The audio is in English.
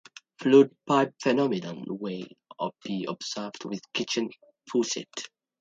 Fluid pipe phenomenon may be observed with a kitchen faucet.